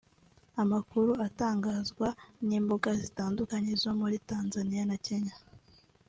Amakuru atangazwa n’imbuga zitandukanye zo muri Tanzania na Kenya